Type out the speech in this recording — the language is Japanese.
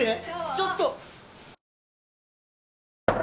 ちょっと！